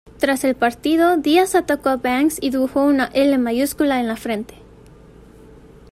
Tras el partido, Díaz atacó Banks y dibujó una "L" en la frente.